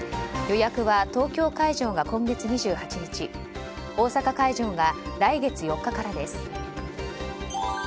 予約は東京会場が今月２８日大阪会場が来月４日からです。